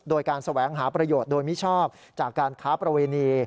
โดยการแสวงหาประโยชน์โดยมิชอบจากการค้าประเวณี